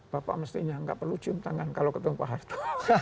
bapak mestinya nggak perlu cium tangan kalau ketemu pak hasto